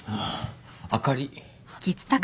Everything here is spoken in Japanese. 明かり。